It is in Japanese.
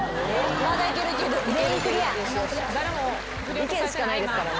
意見しかないですからね。